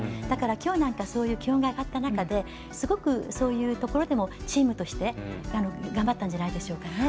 だから今日なんか気温が上がった中ですごくそういうところでもチームとして頑張ったんじゃないでしょうか。